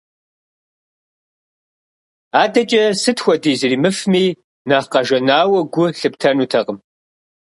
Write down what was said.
АдэкӀэ сыт хуэдиз иримыфми, нэхъ къэжанауэ гу лъыптэнутэкъым.